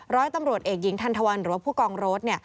ร้อยตำรวจเอกหญิงทันทวันหรือว่าผู้กองโรธ